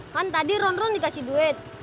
kan tadi ron ron dikasih duit